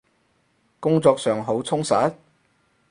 工作上好充實？